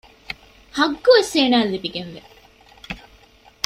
ޙައްޤުވެސް އޭނާއަށް ލިބިގެންވޭ